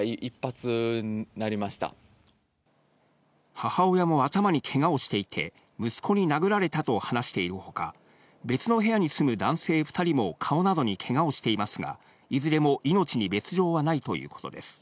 母親も頭にけがをしていて、息子に殴られたと話しているほか、別の部屋に住む男性２人も顔などにけがをしていますが、いずれも命に別条はないということです。